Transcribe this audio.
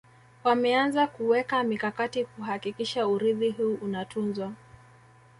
Wameanza kuweka mikakati kuhakikisha urithi huu unatunzwa